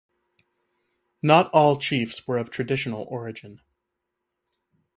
Not all chiefs were of traditional origin.